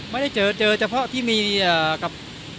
ไม่ได้เจอเผ่าที่มีกับ